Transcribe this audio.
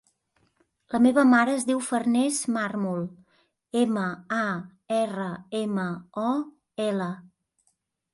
La meva mare es diu Farners Marmol: ema, a, erra, ema, o, ela.